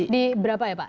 di berapa ya pak